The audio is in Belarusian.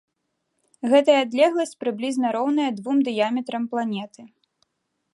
Гэтая адлегласць прыблізна роўная двум дыяметрам планеты.